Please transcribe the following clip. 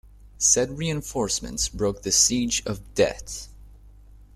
Said reinforcements broke the siege of Daet.